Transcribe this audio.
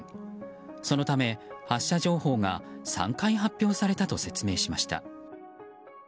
そのため発射情報が３回発表されたと説明しました。